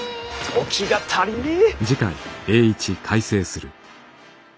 時が足りねぇ！